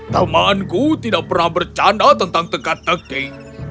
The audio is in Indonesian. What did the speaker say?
temanku tidak pernah bercanda tentang tegak tegak